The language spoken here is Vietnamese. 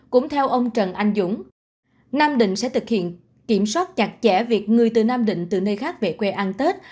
cũng theo ông trần anh dũng nam định sẽ thực hiện kiểm soát chặt chẽ việc người từ nam định từ nơi khác về quê ăn tết